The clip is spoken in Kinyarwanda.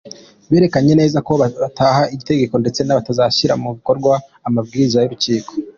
Berekanye neza ko batubaha itegeko, ndetse batazashyira mu bikorwa amabwiriza y’urukiko.”